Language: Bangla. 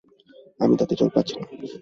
আমি দাঁতে জোর পাচ্ছি না।